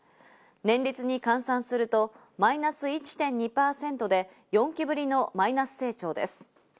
年率に換算するとマイナス１．２％で、４期ぶりのマイナス成長です。